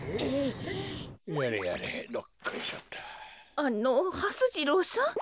あのはす次郎さん？